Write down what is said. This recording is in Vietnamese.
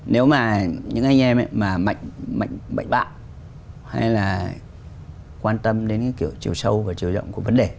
nếu mà những anh em mà mạnh bạ hay là quan tâm đến cái kiểu chiều sâu và chiều rộng của vấn đề